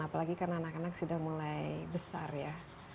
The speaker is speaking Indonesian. apalagi kan anak anak sudah mulai besar ya